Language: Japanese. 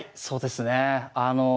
そうですね。